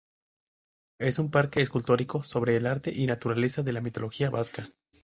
Es un parque escultórico sobre arte y naturaleza de la mitología vasca.